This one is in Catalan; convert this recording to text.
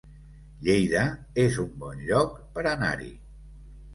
Lleida es un bon lloc per anar-hi